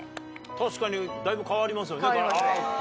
確かにだいぶ変わりますよね。